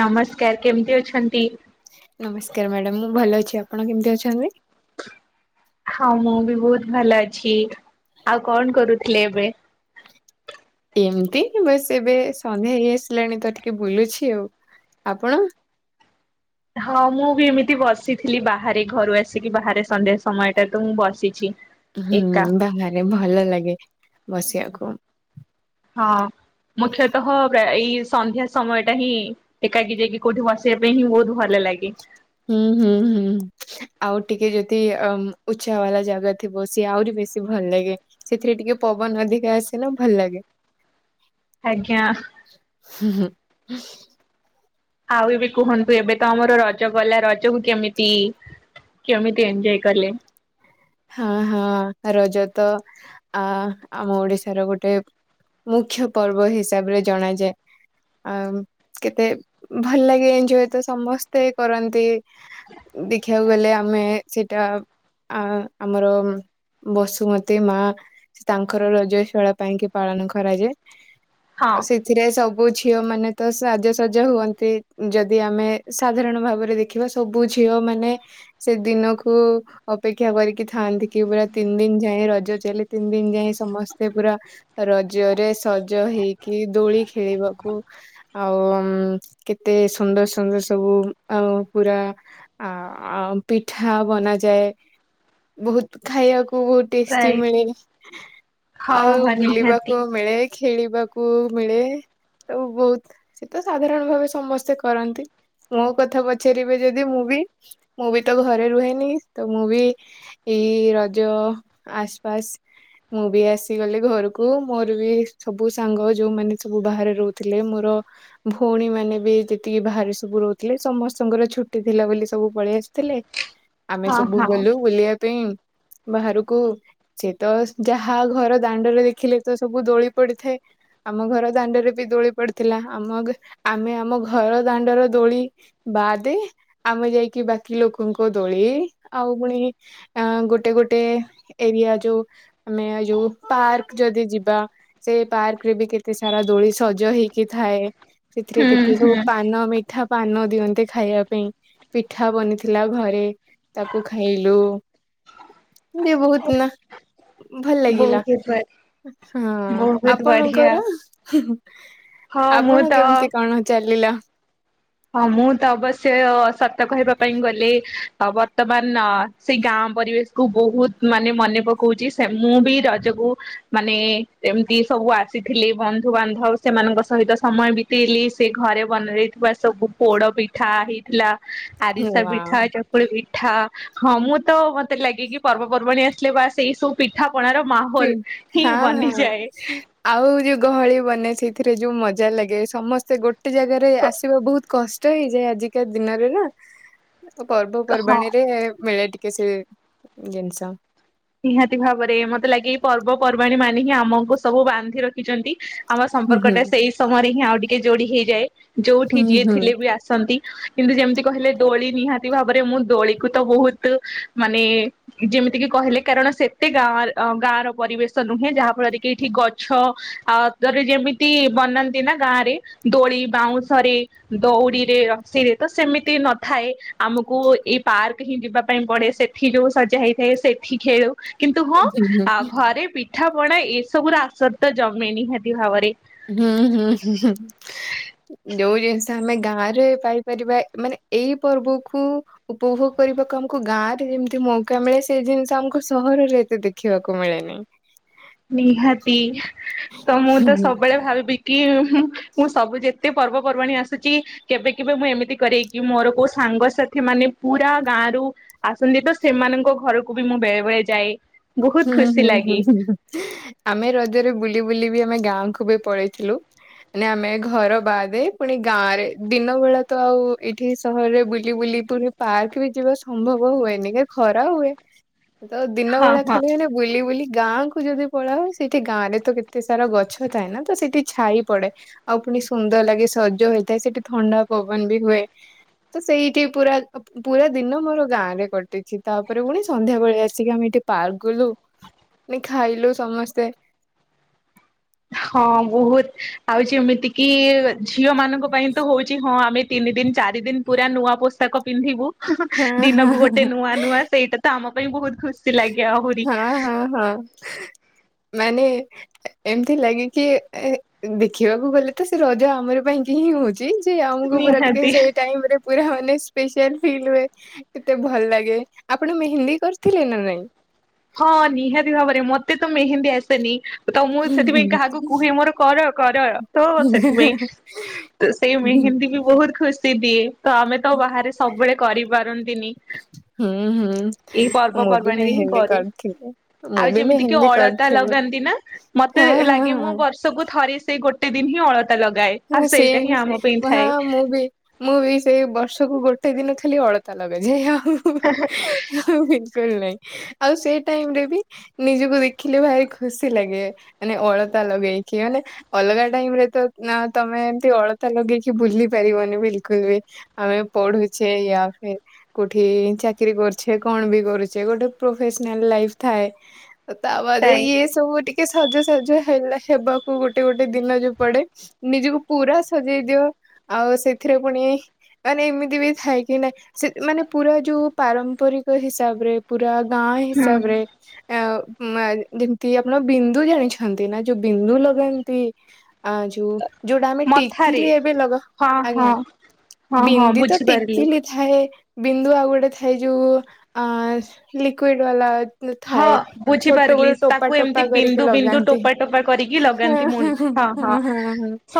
ନମସ୍କାର କେମିତି ଅଛନ୍ତି। ନମସ୍କାର ମାଡ଼ାମ ମୁଁ ଭଲ ଅଛି ଆପଣ କେମିତି ଅଛନ୍ତି। ହଁ ମୁଁ ବି ବୋହୁତ ଭଲ ଅଛି ଆଉ କଣ କରୁଥିଲେ ଏବେ। ଏମିତି ବାସ୍ ଏବେ ସନ୍ଧ୍ୟା ହେଇ ଆସିଲାଣି ତ ଟିକେ ବୁଲୁଛି ଆଉ ଆପଣ। ହଁ ମୁଁ ବି ଏମିତି ବସିଥିଲି ବାହାରେ ଘରୁ ଆସିକି ବାହାରେ ସନ୍ଧ୍ୟା ସମୟଟା ତୁ ମୁଁ ବସିଛି। ହୁଁ ଏକା ବାହାରେ ଭଲ ଲାଗେ ବସିବାକୁ। ହଁ ମୁଖ୍ୟତଃ ଗା ଏଇ ସନ୍ଧ୍ୟା ସମୟ ଟା ହିଁ ଏକାକି ଯାଇକି କୋଉଠି ବସିବା ପାଇଁ ହିଁ ବୋହୁତ ଭଲ ଲାଗେ। ହୁଁ ହୁଁ ହୁଁ। ଆଉ ଟିକେ ଯଦି ଅମ୍ ଉଚ୍ଚା ବାଲା ଜାଗା ଥିବ ସିଏ ଆହୁରି ବେଶୀ ଭଲ ଲାଗେ। ସେଥିରେ ଟିକେ ପବନ ଅଧିକା ଆସେ ନା ଭଲ ଲାଗେ। ଆଜ୍ଞା। ହୁଁ ହୁଁ। ଆଉ ଏବେ କୁହନ୍ତୁ ଏବେ ତ ଆମର ରଜ ଗଲା ରଜକୁ କେମିତି କେମିତି ଏଞ୍ଜୟ୍ କଲେ। ହଁ ହଁ ରଜ ତ ଆ ଆମ ଓଡିଶାର ଗୋଟେ। ମୁଖ୍ୟ ପର୍ବ ହିସାବରେ ଜଣାଯାଏ। ଆଉ କେତେ ଭଲ ଲାଗେ ଏଞ୍ଜୟ୍ ତ ସମସ୍ତେ କରନ୍ତି। ଦେଖିବାକୁ ଗଲେ ଆମେ ସେଟା ଆଁ ଆମର ବସୁମତୀ ମା ତାଙ୍କର ରଜ [unintelligible] ପାଇଁ କି ପାଳନ କରାଯାଏ ହଁ ତ ସେ ଥିରେ ସବୁ ଝିଅ ମାନେ ତ ସାଜସଜ ହୁଅନ୍ତି ଯଦି ଆମେ ସାଧାରଣ ଭାବରେ ଦେ ଖିବା ସବୁ ଝିଅ ମାନେ ସେ ଦିନକୁ ଅପେକ୍ଷା କରିକି ଥାଆନ୍ତି କି ପୁରା ତିନି ଦିନ ଯାଏଁ ରଜ ଚାଲେ ତିନି ଦିନ ଯାଏଁ ସମସ୍ତେ ପୁରା ରଜରେ ସଜ ହେଇକି ଦୋଳି ଖେଳିବାକୁ ଆଉ ଉଁ କେତେ ସୁନ୍ଦର ସୁନ୍ଦର ସବୁ ଆଉ ପୁରା ଆ ଆଉ ପିଠା ବନାଯାଏ। ବୋହୁତ ଖାଇବାକୁ [unintelligible] ଟେଷ୍ଟି ପ୍ରାୟ ମିଳେ ହଁ ଆଉ ହଁ ନିହାତି ବୁଲିବାକୁ ମିଳେ। ଖେଳିବାକୁ ମିଳେ ଆଉ ବୋହୁତ ସେ ତ ସାଧାରଣ ଭାବେ ସମସ୍ତେ କରନ୍ତି। ମୋ କଥା ପଚାରିବେ ଯଦି ମୁଁ ବି ମୁଁ ବି ତ ଘରେ ରୁହେନି ତ ମୁଁ ବି ଏଇ ରଜ ଆସପାସ୍ ମୁଁ ବି ଆସିଗଲି ଘରୁକୁ ମୋରୋ ବି ସବୁ ସାଙ୍ଗ ଯୋଉମାନେ ସବୁ ବାହାରେ ରୋହୁଥିଲେ ମୋର ଭୋଉଣୀ ମାନେ ବି ଯେତିକି ବାହାରେ ସବୁ ରୋହୁଥିଲେ ସମସ୍ତଙ୍କର ଛୁଟି ଥିଲା ବୋଲି ସବୁ ପଳେଇ ଆସିଥିଲେ। ଆମେ ହଁ ସବୁ ହଁ ଗଲୁ ବୁଲିବା ପାଇଁ ବାହାରକୁ। ସେ ତ ଯାହା ଘର ଦାଣ୍ଡରେ ଦେଖିଲେ ତ ସବୁ ଦୋଳି ପଡିଥାଏ। ଆମ ଘର ଦାଣ୍ଡରେ ବି ଦୋଳି ପଡିଥିଲା ଆମ ଆମେ ଆମ ଘର ଦାଣ୍ଡର ଦୋଳି ବାଜ୍‌ ଆମେ ଯାଇକି ବାକି ଲୋକଙ୍କ ଦୋଳି ଆଉ ପୁଣି ଅ ଗୋଟେ ଗୋଟେ ଏରିଆ ଯୋଉ ଆମେ ଯୋଉ ପାର୍କ ଯଦି ଯିବା ସେ ପାର୍କ ରେ ବି କେତେ ସାରା ଦୋଳି ସଜ ହେଇକି ଥାଏ ସେଥିରେ ହୁଁ କେତେ ହୁଁ ସବୁ ପାନ ମି ମିଠା ପାନ ଦିଅନ୍ତେ ଖାଇବା ପାଇଁ ପିଠା ବନିଥିଲା ଘରେ ତାକୁ ଖାଇଲୁ। ଇଏ ବହୁତ ନା ଭଲ ଲାଗିଲା। ବହୁତ ଭଲ ହଁ ବହୁତ ବଢିଆ ଆପଣଙ୍କର ହଁ ମୁଁ ତ ଆପଣ କେମିତି କଣ? ଚାଲିଲା ହଁ ମୁଁ ତ ଅବଶ୍ୟ ସତ କହିବା ପାଇଁ ଗଲି ବର୍ତମାନ ସେଇ ଗାଁ ପରିବେଶ କୁ ବହୁତ ମାନେ ମନେ ପକଉଛି ସେ ମୁଁ ବି ରଜକୁ ମାନେ ଏମିତି ସବୁ ଆସିଥିଲେ ବନ୍ଧୁବାନ୍ଧବ ସେମାନଙ୍କ ସହିତ ସମୟ ବି ଲି ସେ ଘରେ ବନାଯାଇଥିବା ସବୁ ପୋଡ ପିଠା ହେଇଥିଲା ହଁ ଆରିସା ପିଠା ହଁ ହେକା ଚକୁଳି ପିଠା ହଁ ମୁଁ ତ ମତେ ଲାଗେ କି ପର୍ବପର୍ବାଣୀ ଆସିଲେ ବା ସେଇ ସବୁ ପିଠାପଣା ର ମାହୋଲ ହିଁ ବନିଯାଏ। ଆଉ ଯୋଉ ଗହଳି ବନେ ସେଇଥିରେ ଯୋଉ ମଜା ଲାଗେ ସମସ୍ତେ ଗୋଟେ ଗୋଟେ ଜାଗାରେ ଆସିବା ବହୁତ କଷ୍ଟ ହେଇଯାଏ ଆଜିକା ଦିନରେ ନା ହଁ ପର୍ବପର୍ବାଣିୀରେ ମିଳେ ଟିକେ ସେ ଜିନିଷ ନିହାତି ଭାବରେ ମତେ ଲାଗେ ଏଇ ପର୍ବପର୍ବାଣୀ ମାନେ ହିଁ ଆମକୁ ସବୁ ବାନ୍ଧି ରଖିଚନ୍ତି। ଆମ ହୁଁ ସମ୍ପର୍କ ହୁଁ ଟା ସେଇ ସମୟରେ ହିଁ ଆଉ ଟିକେ ଯୋଡି ହେଇଯାଏ ଯୋଉଠି ହୁଁ ଯିଏ ହୁଁ ଥିଲେ ହୁଁ ବି ଆସନ୍ତି। କିନ୍ତୁ ଯେମିତି କହିଲେ ଦୋଳି ନିହାତି ଭାବରେ ମୁଁ ଦୋଳିକୁ ତ ବହୁତ ମାନେ ଯେମିତି କିି କହିଲେ କାରଣ ସେତେ ଗାଁ ଗାଁ ର ପରିବେଶ ନୁହେଁ ଯାହା ଫଳରେ କି ଏଇଠି ଗଛ [unintelligible] ଯେମିତି ବନାନ୍ତି ନା ଗାଁ ରେ ଦୋଳି ବାଉଁଶରେ ଦଉଡ଼ିରେ ରସିରେ ତ ସେମିତି ନଥାଏ। ଆମକୁ ଏଇ ପାର୍କ ହିଁ ଯିବା ପାଇଁ ପଡେ ସେଠି ଯୋଉ ଶଯା ହେଇଥାଏ ସେଠି ଠି ଖେଳୁ କିନ୍ତୁ ହଁ ଆ ଘରେ ପିଠା ପିଠା ପଣା ଏସବୁ ର ଆସର ତ ଜମେ ନିହାତି ଭାବରେ ହୁଁ ହୁଁ [unintelligible] ଯୋଉ ଜିନିଷ ଆମେ ଗାଁ ରେ ପାଇପାରିବା ମାନେ ଏଇ ପର୍ବକୁ ଉପଭୋଗ କରିବାକୁ ଆମକୁ ଗାଁ ରେ ଯେମିତି ମୌକା ମିଳେ ସେ ଜିନିଷ ଆମକୁ ସହରରେ ଏତେ ଦେଖିବାକୁ ମିଳେନିଁ। ନିହାତି ତ ମୁଁ ହୁଁ ତ ହୁଁ ସବୁବେଳେ ଭାବିବି କି ମୁଁ ସବୁ ଯେ ଏତେ ପର୍ବପର୍ବାଣି ଆସୁଛି କେବେ କେବେ ମୁଁ ଏମିତି କରେଇକି ମୋର କୋଉ ସାଙ୍ଗସାଥି ମାନେ ପୁରା ଗାଁରୁ ଆସନ୍ତି ତ ସେମାନଙ୍କ ଘରକୁ ବି ମୁଁ ବେଳେ ବେଳେ ଯାଏ। ବହୁତ ହୁଁ ଖୁସି ହୁଁ ହୁଁ ଲାଗେ ହୁଁ ଆମେ ରଜରେ ବୁଲି ବୁଲି ବି ଆମେ ଗାଁକୁ ବି ପଳେଇଥିଲୁ। ମାନେ ଆମେ ଘର ବାହାଦେ ପୁଣି ଗାଁ ରେ ଦିନ ବେଳା ତ ଆଉ ଏଇଠି ସହରରେ ବୁଲି ବୁଲି ପୁଣି ପାର୍କ ବି ଯିବା ସମ୍ଭବ ହୁଏନି କି ଖରା ହୁଏ ତ ଦିନ ହଁ ବେଳା ହଁ ସେ ବୁଲି ବୁଲି ଗାଁ କୁ ଯଦି ପଳା ହ ସେଇଠି ଗାଁରେ ତ କେତେ ସାରା ଗଛ ଥାଏ ନା ତ ସେଠି ଛାଇ ପଡେ ଆଉ ପୁଣି ସୁନ୍ଦର ଲାଗେ ସଜ ହେଇଥାଏ ସେଠି ଥ। ଣ୍ଡା ପବନ ବି ହୁଏ ତ ସେଇଠି ପୁରା ପୁରା ଦିନ ମୋର ଗାଁରେ କଟିଛି ତାପରେ ପୁଣି ସନ୍ଧ୍ୟାବେଳେଆ ଆସି ଆସିକି ଆମେ ଏଠି ପାର୍କ ଗଲୁ ଖାଇଲୁ ସମସ୍ତେ ହଁ ବହୁତ ଆଉ ଯେମିତି କିି ଝିଅ ମାନଙ୍କ ପାଇଁ ତ ହଉଛି ହଁ ଆମେ ତିନି ଦିନ ଚାରି ଦିନ ପୁରା ନୂଆ ପୋସ୍ତକ ପିନ୍ଧିବୁ ହଁ ହଁ ଦିନକୁ ହଁ ଗୋଟେ ନୂଆ ନୂଆ ସେଇଟା ତ ଆମ ପାଇଁ ବହୁତ ଖୁସି ଲାଗେ ଆହୁରି ଅ ହଁ। ମାନେ ଏମିତି ଲାଗିକି ଦେଖିବାକୁ ଗଲେ ତ ସେ ରଜ ଆମର ପାଇଁକି ହିଁ ହଉ ଚି ଯେ ଆମୁକୁ ପୁରା ଟିକେ ନିହାତି ସେଇ ଟାଇମ ରେ। ପୁରା ମାନେ ସ୍ପେଶଆଲ୍ ଫିଲ୍ ହୁଏ କେତେ ଭଲ ଲାଗେ ଆପଣ ମେହେନ୍ଦୀ କରିଥିଲେ ନା ନାଇଁ? ହଁ ନିହାତି ଭାବରେ ମତେ ତ ମେହେନ୍ଦୀ ଆସେନି। ତ ମୁଁ ହୁଁ ହୁଁ ସେଥିପାଇଁ କାହାକୁ କୁହେ ମୋର କର କର ତ ହୁଁ ସେଥିପାଇଁ। ତ ସେଇ ହୁଁ ମେହେନ୍ଦୀ ବି ବହୁତ ଖୁସି ଦିଏ ତ ଆମେ ତ ବାହାରେ ସବୁବେଳେ କରିପାରନ୍ ହୁଁ ହୁଁ ମୁଁ ବି ପର୍ବପର୍ବାଣୀରେ ହିଁ ମେହେନ୍ଦି କରୁ କରିଥିଲି। ମୁଁ ଆଉ ବି ଯେମିତି କି ମେହେନ୍ଦୀ ଅଳତା କରିଥିଲି ଲଗାନ୍ତି ନା ମତେ ହଁ ହଁ ଲାଗେ ହଁ। ମୁଁ ବର୍ଷ ର୍ଷ କୁ ଥରେ ସେଇ ଗୋଟେ ଦିନ ହିଁ ଅଳତା ଲଗାଏ। ଆଉ ହ ସେ ସେଇଟା ହିଁ ଆମ [unintelligible] ପାଇଁ ଥାଏ ମୁଁ ବି। ମୁଁ ବି ସେଇ ବର୍ଷକୁ ଗୋଟେ ଦିନ ଖାଲି ଅଳତା ଲଗାଯାଏ ଆଉ। ହେଁ ହେଁ। ବିଲକୁଲ ନାହିଁ ଆଉ ସେ ଟାଇମରେ ବି ନିଜକୁ ଦେଖିଲେ ଭାରି ଖୁସି ଲାଗେ। ମାନେ ଅଳତା ଲଗେଇକି ମାନେ ଅଲଗା ଟାଇମ ରେ ତ। ନା ତମେ ଏମତି ଅଳତା ଲଗେଇକି ବୁଲି ପାରିବନି ବିଲକୁଲ ବି। ଆମେ ପଢୁଛେ ୟା ଫିର୍। କୋଉଠି ଚାକିରି କରୁଛେ କଣ ବି କରୁଛେ ଗୋଟେ ପ୍ରଫେସନାଲ ଲାଇଫ ଥାଏ। ତାପରେ ଥାଏ ଇଏ ସବୁ ଟିକେ ସଜ ସାଜ ହେଲା ହେବାକୁ ଗୋଟେ ଗୋଟେ ଦିନ ଯୋଉ ପଡେ। ନିଜକୁ ପୁରା ସଜେଇ ଦିଅ ଆଉ ସେଥିରେ ପୁଣି। ମାନେ ଏମିତି ବି ଥାଏ କି ନା ସେ ମାନେ ପୁରା ଯୋଉ ପାରମ୍ପରିକ ହିସାବରେ। ପୁରା ଗାଁ ହୁଁ ହିସାବରେ। ଆ ମା ଯେମିତି ଆପଣ ବିନ୍ଦୁ ଜାଣିଛନ୍ତି ନା ଯୋଉ ବିନ୍ଦୁ ଲଗାନ୍ତି। ଆ ଯୋଉ। ଯୋଉଟା ଆମେ ମଥାରେ ଟିକିଲି ଏବେ ଲଗା ହଁ ହଁ ଆଜ୍ଞା ହଁ ହଁ ବିନ୍ଦି ତ ବୁଝିପାରିଲି। ଟିକିଲି। ଥାଏ ବିନ୍ଦୁ ଆଉ ଗୋଟେ ଥାଏ ଯୋଉ ଅ ଲିକ୍ୱିଡ ବାଲା। ହଁ ଥାଏ ଛୋଟ ବୁଝିପାରିଲି ବେଳୁ ଟୋପା ତାକୁ ଏମିତି ଟୋପା କରିକି ବିନ୍ଦୁ ବିନ୍ଦୁ ଲଗାନ୍ତି। ଟୋପା ଟୋପା କରିକି ଲଗାନ୍ତି ମୁନ୍ ହଁ ହଁ ହଁ। [unintelligible]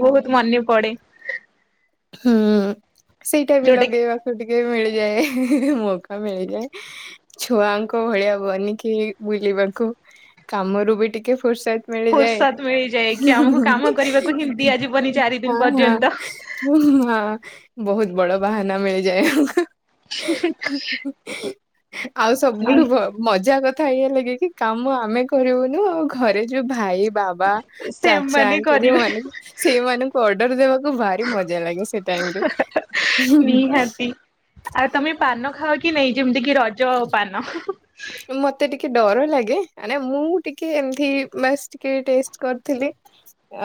ବହୁତ୍ ମନେ ପଡେ। ହୁଁ ସେଇଟା ବି ଯୋଉଟା କି ଲଗେଇବାକୁ ଟିକେ ମିଳିଯାଏ ମୋଉକା ମିଳିଯାଏ। ଛୁଆଙ୍କ ଭଳିଆ ବନିକି ବୁଲିବାକୁ କାମରୁ ବି ଟିକେ ଫୋର୍ସତ। ମିଳିଯାଏ ଫୁର୍ସତ ମିଳିଯାଏ କି ଆମକୁ କାମ କରିବାକୁ ହିଁ ଦିଆଯିବନି ଚାରି ଦିନ ହଁ ପର୍ଯ୍ୟନ୍ତ। ହଁ। ହଁ ବହୁତ ବଡ ବାହାନା ମିଳିଯାଏ ଆମକୁ। [unintelligible] ଆଉ ନି ସବୁଠୁ ଭ ମଜା କଥା ଏଇଆ ଲାଗେ କିି କାମ ଆମେ କରିବୁନୁ ଆଉ ଘରେ ଯୋଉ ଭାଇ। ବାବା ଚାଚା ସେମାନେ [unintelligible] କରିବେ ଯୋଉମାନେ ସେମାନଙ୍କୁ ଅର୍ଡର ଦେବାକୁ ଭା ମଜା ଲାଗେ ସେ ଟାଇମରେ। ନିହାତି। ଆଉ ତମେ ପାନ ଖାଅ କି ନେଇ ଯେମିତି କି ରଜ ପାନ। ମତେ ଟିକେ ଡର ଲାଗେ ମାନେ ମୁଁ ଟିକେ ଏମତି ବାସ। ଟିକେ ଟେଷ୍ଟ କରିଥିଲି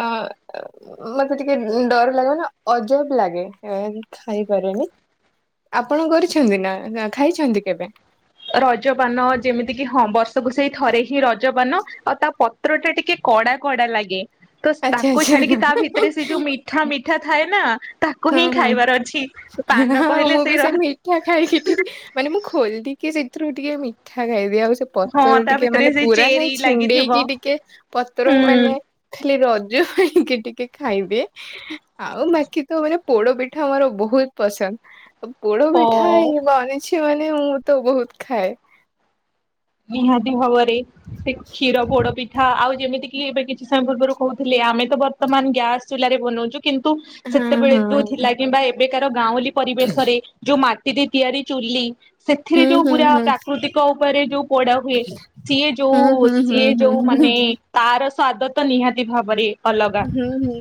ଅ ମତେ ଟିକେ ଡର ଲାଗେ ମାନେ ଅଜବ ଲାଗେ ଖାଇପାରେନି। ଆପଣ କରିଛନ୍ତି ନା ଖାଇଛନ୍ତି କେବେ? ରଜପାନ ଯେମିତି କିି ହଁ ବର୍ଷକୁ ସେଇ ଥରେ ହିଁ ରଜପାନ ଆଉ ତାପ ପତ୍ର ଟା ଟିକେ କଡା କଡା ଲାଗେ ତ ଆଚ୍ଛା ତାକୁ ଛାଡିକି ଆଚ୍ଛା। ତା ଭିତରେ ସେ ଯୋଉ ମି ମିଠା ମିଠା ଥାଏ ନା ତା ହଁ ହଁ [unintelligible] କହିଲେ ମୁଁ ବି ସେଇ ସେ ମିଠା ଖାଇକି। ମାନେ ମୁଁ ଖୋଲି ଦେଇକି ସେଥିରୁ ଟିକେ ମିଠା ଖାଇଦିଏ ଆଉ ସେ ହଁ ପତ୍ର ତା ଟିକେ ଭିତରେ ମାନେ ସେଇ ପୁରା ଚେରି ନାଇ ଲାଗିଥିବ ଛିଣ୍ଡେଇକି ଟିକେ ପତ୍ର ମାନେ। ହୁଁ। ଖାଲି ରଜ ପାଇଁକି ଟିକେ ଖାଇବେ ଆଉ ବାକି। ତ ମାନେ ପୋଡପିଠା ଆମର ବହୁତ ପସନ୍ଦ ପୋଡ ଓ ପିଠା ହେଇ ବ। [unintelligible] ଅଛି ମାନେ ମୁଁ ତ ବହୁତ ଖାଏ। ନିହାତି ଭାବରେ ସେ କ୍ଷୀରପୋଡ ପି ହଁ ଆଉ ଯେମିତିକିି ଏବେ କିଛି ସମୟ ପୂର୍ବରୁ କହୁଥିଲେ ଆମେ ତ ବର୍ତ୍ତମାନ ଗ୍ୟାସ ଚୁଲାରେ ବନଉଚୁ। କିନ୍ତୁ ହଁ ସେତେବେଳେ ଯୋଉ ହଁ। ଥିଲା କିମ୍ବା ଏବେକାର ଗାଉଁଲି ପରିବେଶରେ ଯୋଉ ମାଟିରେ ତିଆରି ଚୁଲି ସେଥିରେ ହୁଁ ଯୋଉ ହୁଁ ପୁରା ହୁଁ ପ୍ରାକୃତିକ ଉପରେ ଯୋଉ ପୋଡା ହୁଏ ସିଏ ହୁଁ ଯୋଉ ହୁଁ ହୁଁ ସିଏ ହୁଁ ଯୋଉ ହୁଁ। ମାନେ ତାର ସ୍ଵାଦ ତ ନିହାତି ଭାବରେ ଅଲଗା ହୁଁ ହୁଁ।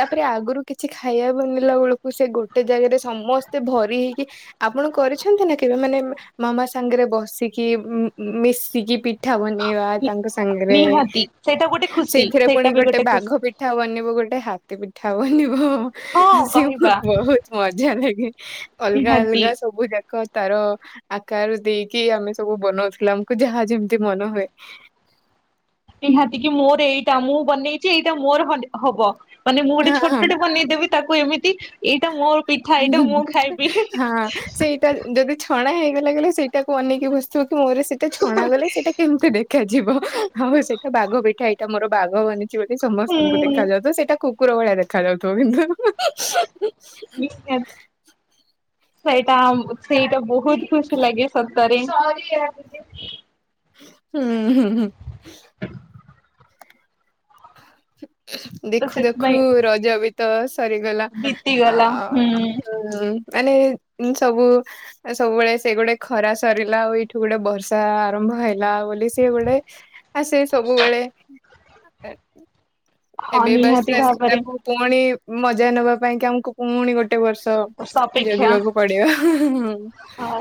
ତାପରେ ଆଗରୁ କିଛି ଖାଇବା ବନେଇଲା ବେଳକୁ ସେ ଗୋଟେ ଜାଗାରେ ସମସ୍ତେ ଭରି ହେଇକି ଆପଣ କରିଛନ୍ତି ନା କେବେ ମାନେ ମାମା ସାଙ୍ଗରେ ବସିକି ମିଶିକି ପି ପିଠା ବନେଇବା ତାଙ୍କ ସାଙ୍ଗରେ ନିହାତି ସେଇଟା ଗୋଟେ ଖୁସି ସେଇଥିରେ ପୁଣି ସେଇଟା ବି ଗୋଟେ ଖୁସି ବାଘ ପିଠା ଠା ବନିବ ଗୋଟେ ହାତୀ ପିଠା ବନିବ। ହଁ ସେ କହିବା ବହୁତ ମଜା ଲାଗେ ଅଲଗା ନିହାତି ଅଲଗା ସବୁ ଯାକ ତାର ଆକାର ଦେଇକି ଆମେ ସବୁ ବନଉଥିଲୁ ଆମକୁ ଯାହା ଯେମିତି ମନ ହୁଏ। ନିହାତି କି ମୋର ଏଇଟା ମୁଁ ବନେଇଛି ଏଇଟା ମୋର ହବ ମାନେ ମୁଁ ଗୋଟେ ହଁ ହଁ ଛୋଟ ବନେଇଦେବି ତାକୁ ଏମିତି ଏଇଟା ମୋର ପିଠା ଏଇଟା ମୁଁ ଖାଇବି। ସେଟା ଯଦି ଛଣା ହେଇଗଲା ଗଲେ ସେଇଟାକୁ ଅନେଇକି ବସିଥିବ କି ମୋର ସେଟା ଛଣା ଗଲେ ସେଇଟା କେମିତି ଦେଖ। ଦେଖାଯିବ ଆଉ ସେଇଟା ବାଘ ପିଠା ଏଇଟା ମୋର ବାଘ ବନିଛି ବୋଲି ସମସ୍ତଙ୍କୁ ଦେଖାଯାଉଥିବ ତ ସେଇଟାକୁ କୁକୁର ଭଳିଆ ଦେଖା ଯାଉଥିବ କିନ୍ତୁ ସେଇଟା ସେଇଟା ବହୁତ ଖୁସି ଲାଗେ। ସତରେ ହୁଁ ହୁଁ ହୁଁ। ହ ତ ଦେଖୁ ଦେଖୁ ସେଥିପାଇଁ ରଜ ବି ତ ସରିଗଲା ଆ ବିତିଗଲା ହୁଁ ମାନେ ସବୁ ସବୁବେଳେ ସେ ଗୋଟେ ଖରା ସରିଲା ଆଉ ଏଇଠୁ ଗୋଟେ ବର୍ଷା ଆରମ୍ଭ ହେଲା ବୋଲି ସିଏ ଗୋଟେ ସେ ସବୁବେଳେ ଏ ହଁ ବେ ବସରେ ନିହାତି ଆସି ଭାବରେ। ସେଟାକୁ ପୁଣି ମଜା ନବା ପାଇଁ କି ଆମକୁ ପୁଣି ଗୋଟେ ବର୍ଷ ସପେକ୍ଷା ଜଗିବାକୁ ପଡିବ। ହଁ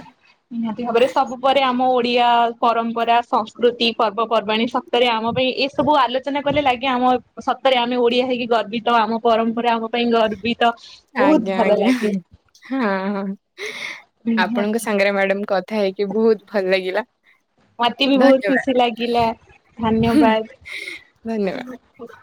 ନିହାତି ଭାବରେ ସବୁ ପରେ ଆମ ଓଡିଆ ପରମ୍ପରା ସଂସ୍କୃତି ପର୍ବପର୍ବାଣୀ ସତରେ ଆମ ପାଇଁ ଏ ସବୁ ଆଲୋଚନା କଲେ ଲାଗେ ଆମ ସତରେ ଆମେ ଓଡିଆ ହେଇକି ଗର୍ବିତ ଆମ ପରମ୍ପରା ଆମ ପାଇଁ ଗର୍ବିତ ବହୁତ ଆଜ୍ଞା ଭଲ ଆଜ୍ଞା ଲାଗେ। ହଁ ଆପଣଙ୍କ ନିହାତି ସାଙ୍ଗରେ ମ୍ୟାଡାମ କଥା ହେଇକି ବହୁତ ଭଲ ଲାଗିଲା। ମତେ ବି ବହୁତ ଧନ୍ୟବାଦ ଖୁସି ଲାଗିଲା ଧନ୍ୟବାଦ।